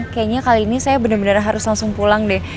kayaknya kali ini saya benar benar harus langsung pulang deh